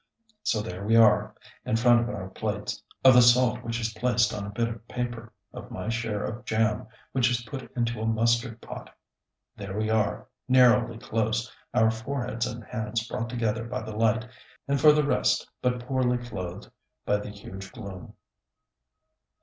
So there we are, in front of our plates, of the salt which is placed on a bit of paper, of my share of jam, which is put into a mustard pot. There we are, narrowly close, our foreheads and hands brought together by the light, and for the rest but poorly clothed by the huge gloom.